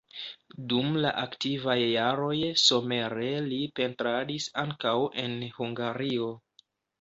Dum la aktivaj jaroj somere li pentradis ankaŭ en Hungario.